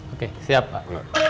oke siap pak